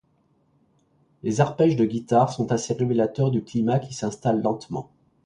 Les arpèges de guitares sont assez révélateurs du climat qui s'installe lentement.